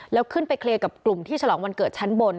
แล้วขึ้นไปเคลียร์กับกลุ่มที่ฉลองวันเกิดชั้นบน